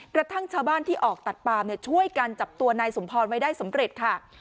กระทั่งชาวบ้านที่ออกตัดปามช่วยกันจับตัวนายสมพรไว้ได้สำเร็จค่ะ